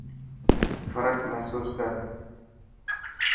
فرق محسوس ڪر.